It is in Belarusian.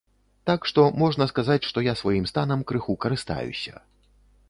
Так што, можна сказаць, што я сваім станам крыху карыстаюся.